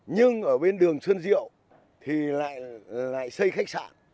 nhưng ở bên đường xuân diệu thì lại xây khách sạn